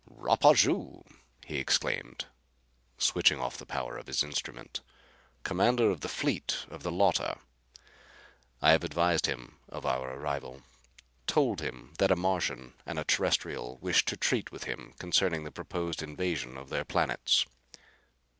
"Rapaju," he exclaimed, switching off the power of his instrument, "commander of the fleet of the Llotta. I have advised him of our arrival. Told him that a Martian and a Terrestrial wish to treat with him concerning the proposed invasion of their planets.